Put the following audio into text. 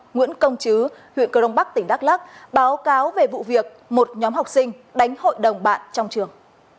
nguyễn công chứ huyện cơ đông bắc tỉnh đắk lắc báo cáo về vụ việc một nhóm học sinh đánh hội đồng bạn trong trường